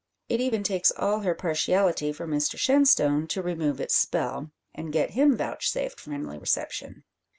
It even takes all her partiality for Mr Shenstone to remove its spell, and get him vouchsafed friendly reception.